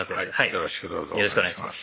よろしくお願いします